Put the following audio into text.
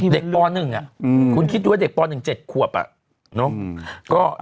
เด็กป่อนึงอ่ะคุณคิดดูว่าเด็กป่อนึง๗ควบอ่ะ